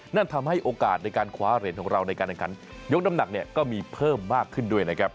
นั่นทำให้โอกาสในการคว้าเหรียญของเราในการแข่งขันยกน้ำหนักเนี่ยก็มีเพิ่มมากขึ้นด้วยนะครับ